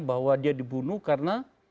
bahwa dia dibunuh karena